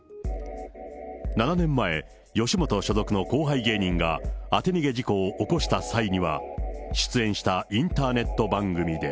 ７年前、吉本所属の後輩芸人が当て逃げ事故を起こした際には、出演したインターネット番組で。